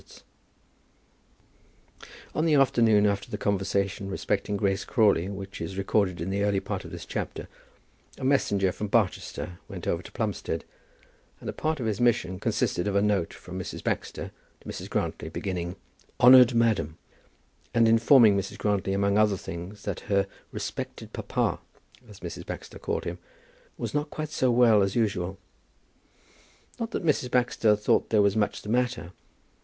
[Illustration: Posy and her Grandpapa.] On the afternoon after the conversation respecting Grace Crawley which is recorded in the early part of this chapter, a messenger from Barchester went over to Plumstead, and a part of his mission consisted of a note from Mrs. Baxter to Mrs. Grantly, beginning, "Honoured Madam," and informing Mrs. Grantly, among other things, that her "respected papa," as Mrs. Baxter called him, was not quite so well as usual; not that Mrs. Baxter thought there was much the matter.